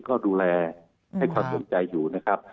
ก็ดูแลให้ความสนใจอยู่นะครับ